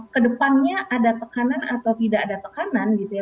kedepannya ada tekanan atau tidak ada tekanan gitu ya